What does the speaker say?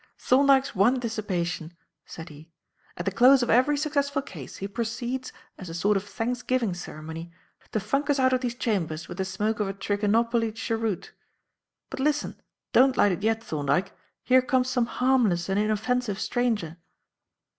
"Thorndyke's one dissipation," said he. "At the close of every successful case he proceeds, as a sort of thanksgiving ceremony, to funk us out of these chambers with the smoke of a Trichinopoly cheroot. But listen! Don't light it yet, Thorndyke. Here comes some harmless and inoffensive stranger."